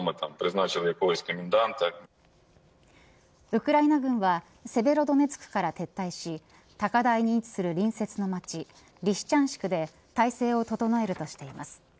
ウクライナ軍はセベロドネツクから撤退し高台に位置する隣接の街リシチャンシクで態勢を整えるとしています。